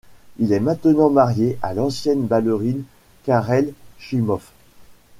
Il est maintenant marié à l'ancienne ballerine Karel Shimoff.